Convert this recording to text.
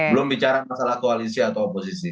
belum bicara masalah koalisi atau oposisi